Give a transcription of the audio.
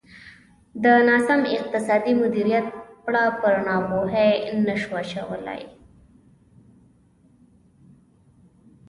د ناسم اقتصادي مدیریت پړه پر ناپوهۍ نه شو اچولای.